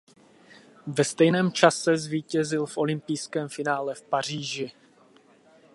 Ve stejném čase zvítězil v olympijském finále v Paříži.